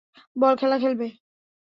বল খেলা খেলবে?